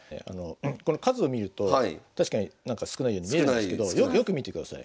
この数を見ると確かに少ないように見えるんですけどよく見てください。